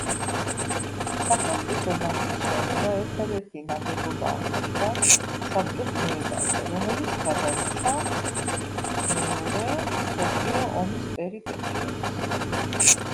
სახელმწიფო ბანკის შენობა ერთადერთი ნაგებობა აღმოჩნდა საბჭოს მოედანზე, რომელიც გადაურჩა მეორე მსოფლიო ომის პერიპეტიებს.